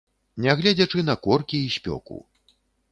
Нягледзячы на коркі і спёку.